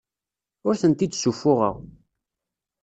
Ur tent-id-ssuffuɣeɣ.